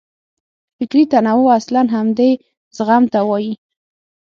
فکري تنوع اصلاً همدې زغم ته وایي.